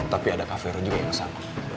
tapi ada kak fero juga yang kesal